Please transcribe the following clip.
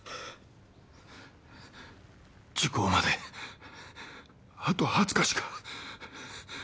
時効まであと２０日しか。